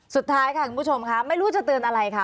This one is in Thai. สุดท้ายค่ะคุณผู้ชมค่ะไม่รู้จะเตือนอะไรค่ะ